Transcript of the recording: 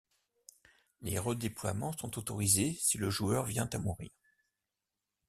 Les redéploiements sont autorisés si le joueur vient à mourir.